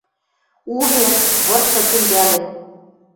Увер: вырсы тӹнгӓлӹн.